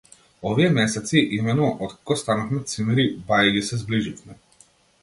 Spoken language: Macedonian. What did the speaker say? Овие месеци, имено, откако станавме цимери, бајаги се зближивме.